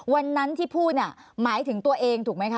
วันนั้นที่พูดเนี่ยหมายถึงตัวเองถูกไหมคะ